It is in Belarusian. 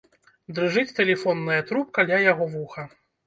Дрыжыць тэлефонная трубка ля яго вуха.